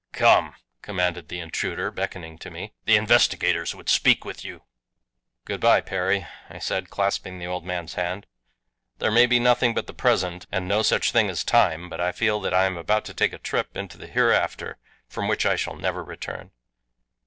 "Come!" commanded the intruder, beckoning to me. "The investigators would speak with you." "Good bye, Perry!" I said, clasping the old man's hand. "There may be nothing but the present and no such thing as time, but I feel that I am about to take a trip into the hereafter from which I shall never return.